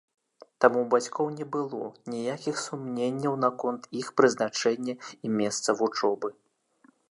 Таму ў бацькоў не было ніякіх сумненняў наконт іх прызначэння і месца вучобы.